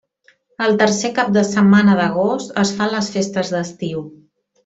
El tercer cap de setmana d'agost es fan les festes d'estiu.